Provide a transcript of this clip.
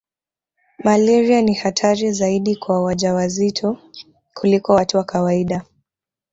Malaria ni hatari zaidi kwa wajawazito kuliko watu wa kawaida